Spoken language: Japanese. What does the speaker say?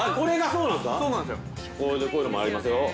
◆こういうのもありますよ。